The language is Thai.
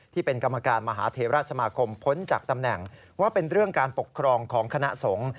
ที่เป็นกรรมการมหาเทราสมาคมพ้นจากตำแหน่งว่าเป็นเรื่องการปกครองของคณะสงฆ์